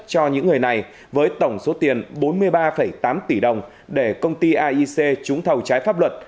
cho những người này với tổng số tiền bốn mươi ba tám tỷ đồng để công ty aic trúng thầu trái pháp luật